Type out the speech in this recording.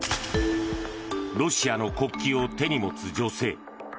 ロシアの国旗を手に持つ女性。